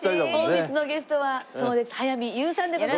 本日のゲストはそうです早見優さんでございます。